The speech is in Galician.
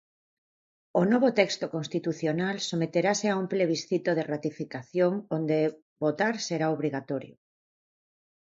O novo texto constitucional someterase a un plebiscito de ratificación onde votar será obrigatorio.